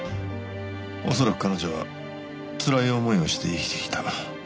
恐らく彼女はつらい思いをして生きてきた。